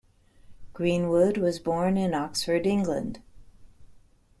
Greenwood was born in Oxford, England.